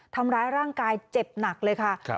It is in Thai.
ทำร้ายร่างกายเจ็บหนักเลยค่ะ